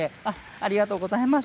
ありがとうございます。